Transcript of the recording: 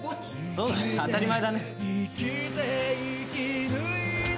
そうだね当たり前だね。